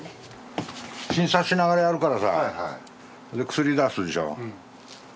診察しながらやるからさ。で薬出すでしょ。